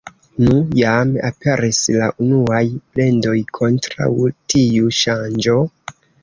Nu, jam aperis la unuaj plendoj kontraŭ tiu ŝanĝo...